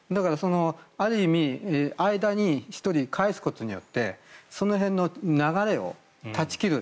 ある意味間に１人、介すことによってその辺の流れを断ち切る。